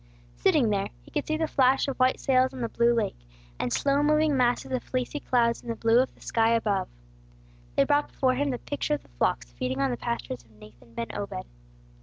Sitting there, he could see the flash of white sails on the blue lake, and slow moving masses of fleecy clouds in the blue of the sky above. They brought before him the picture of the flocks feeding on the pastures of Nathan ben Obed.